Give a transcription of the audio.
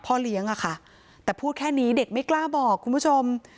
เลี้ยงอะค่ะแต่พูดแค่นี้เด็กไม่กล้าบอกคุณผู้ชม